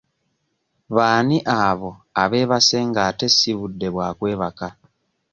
B'ani abo abeebase nga ate si budde bwa kwebaka?